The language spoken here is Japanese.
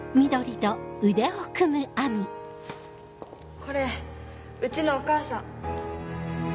これうちのお母さん。